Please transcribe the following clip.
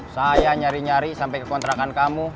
saya nyari nyari sampai ke kontrakan kamu